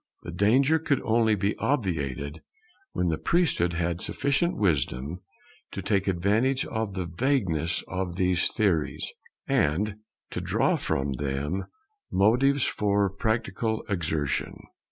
The danger could only be obviated when the priesthood had sufficient wisdom to take advantage of the vagueness of these theories, and to draw from them motives for practical exertion.